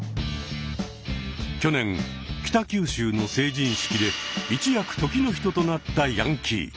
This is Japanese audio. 去年北九州の成人式で一躍時の人となったヤンキー。